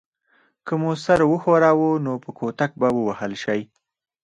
که مو سر وښوراوه نو په کوتک به ووهل شئ.